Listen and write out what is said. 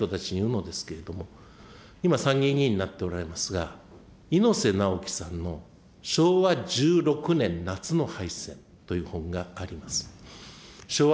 私はよく若い人たちに言うのですけれども、今、参議院議員になっておられますが、猪瀬直樹さんの昭和１６年夏の敗戦という本があります。